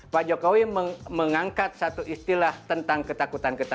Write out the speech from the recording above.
pak jokowi mengangkat satu istilah tentang ketakutan ketakutan